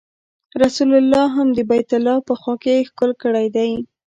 رسول الله هم د بیت الله په خوا کې ښکل کړی دی.